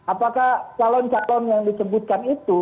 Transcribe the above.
apakah calon calon yang disebutkan itu